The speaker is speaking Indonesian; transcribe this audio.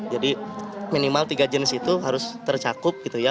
jadi minimal tiga jenis itu harus tercakup gitu ya